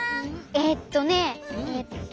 えっとねえっと。